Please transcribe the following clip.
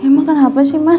ya kenapa sih mas